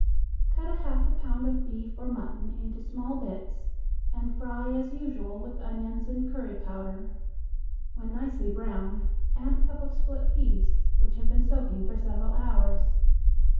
Cut a half pound of beef or mutton into small bits and fry as usual with onions and curry powder. When nicely browned add a cup of split peas which have been soaking for several hours.